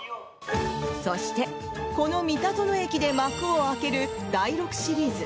そして、この美田園駅で幕を開ける第６シリーズ。